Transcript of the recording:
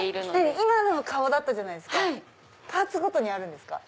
今のは顔だったじゃないですかパーツごとにあるんですか？